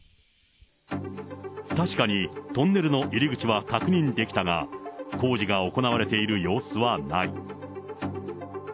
確かにトンネルの入り口は確認できたが、工事が行われている様子はない。